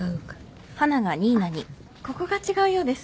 あっここが違うようです。